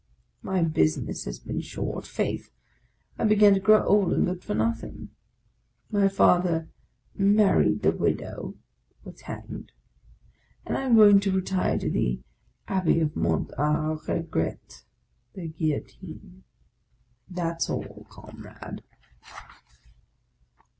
My business has been short : faith, I began to grow old and good for nothing. My father mar ried the widow (was hanged) ; I am going to retire to the Abbey of Mont a Regret (the Guillotine) ; that's all, com rade!"